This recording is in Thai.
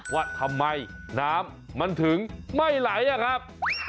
ว่าทำไมน้ำมันถึงไม่ไหลอะครับ